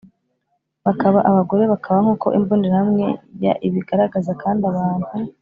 bakaba abagore bakaba Nk uko Imbonerahamwe yaibigaragaza kandi abantu